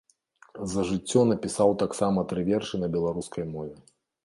За жыццё напісаў таксама тры вершы на беларускай мове.